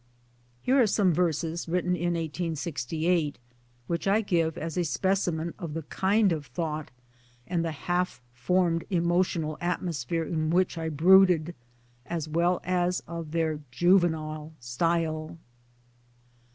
Here are some verses (written in '68) which I give as a specimen of the kind of thought and the half formed emotional atmosphere in which I brooded, as well as of their juvenile style.